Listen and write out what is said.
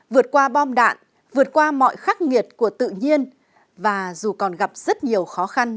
vượt qua bom đạn vượt qua mọi khắc nghiệt của tự nhiên và dù còn gặp rất nhiều khó khăn